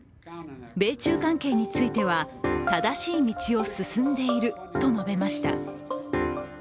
米中関係については、正しい道を進んでいると述べました。